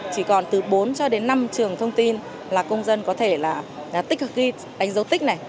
chỉ còn từ bốn cho đến năm trường thông tin là công dân có thể là tích hợp ghi đánh dấu tích này